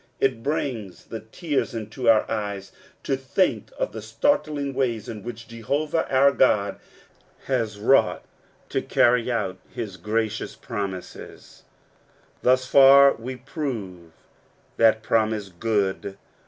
It brings the tears into our eyes to think of the startling ways in which Jehovah, our God, has wrought to carry out his gracious promises. *• Thus far we prove that promise good.